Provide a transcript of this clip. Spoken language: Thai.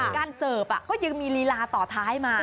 การเสิร์ฟก็ยังมีลีลาต่อท้ายมา